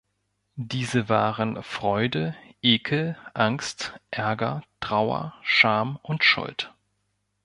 Diese waren Freude, Ekel, Angst, Ärger, Trauer, Scham und Schuld.